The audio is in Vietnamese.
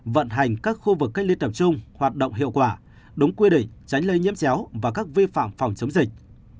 vận hành các khu vực cách ly tập trung hoạt động hiệu quả đúng quy định tránh lây nhiễm chéo và các vi phạm phòng chống dịch